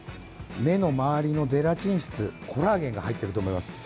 目の周りのゼラチン質コラーゲンが入ってると思います。